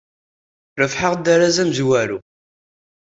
Rebḥeɣ-d arraz amezwaru.